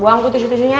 buang tuh tisu tisunya